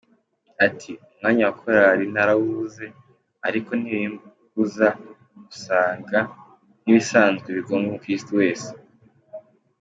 Ati, “Umwanya wa korali narawubuze ariko ntibimbuza gusanga nk’ibisanzwe bigomba umukirisitu wese”.